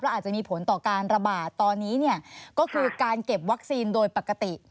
อาจจะมีผลต่อการระบาดตอนนี้เนี่ยก็คือการเก็บวัคซีนโดยปกติ